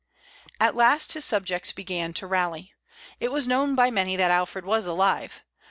At last his subjects began to rally. It was known by many that Alfred was alive.